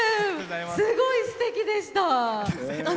すごいすてきでした。